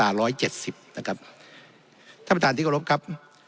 ท่านประธานดิกรพครับ